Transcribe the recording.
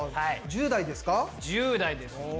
１０代ですよね。